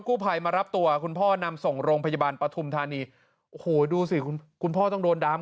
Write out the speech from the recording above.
กู้ภัยมารับตัวคุณพ่อนำส่งโรงพยาบาลปฐุมธานีโอ้โหดูสิคุณคุณพ่อต้องโดนดำ